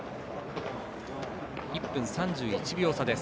１分３１秒差です。